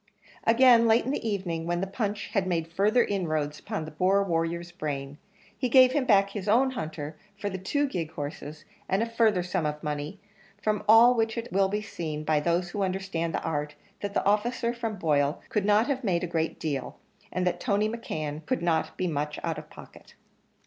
Again, late in the evening when the punch had made further inroads upon the poor warrior's brain he gave him back his own hunter for the two gig horses and a further sum of money: from all which it will be seen by those who understand the art, that the officer from Boyle could not have made a great deal, and that Tony McKeon could not be much out of pocket.